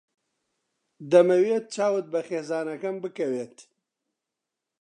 دەمەوێت چاوت بە خێزانەکەم بکەوێت.